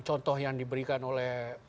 contoh yang diberikan oleh